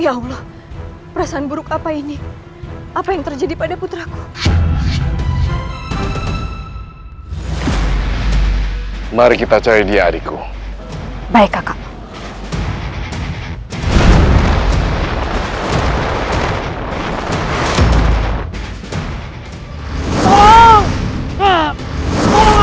aku harus bertahan agar aku bisa menyelamatkan rai kian santan